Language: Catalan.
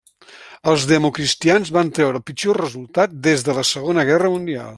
Els democristians van treure el pitjor resultat des de la Segona Guerra Mundial.